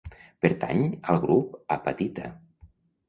Pertany al grup apatita.